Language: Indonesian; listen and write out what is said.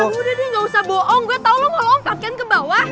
ah udah deh gak usah bohong gue tau lo mau lompat kan ke bawah